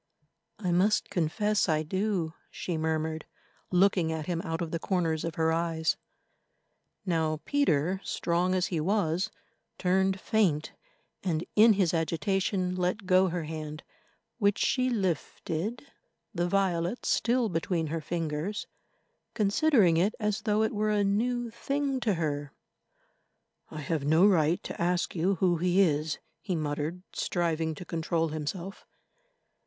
"I must confess I do," she murmured, looking at him out of the corners of her eyes. Now Peter, strong as he was, turned faint, and in his agitation let go her hand which she lifted, the violets still between her fingers, considering it as though it were a new thing to her. "I have no right to ask you who he is," he muttered, striving to control himself.